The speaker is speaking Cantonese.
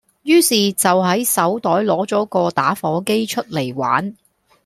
於是就喺手袋攞咗個打火機出嚟玩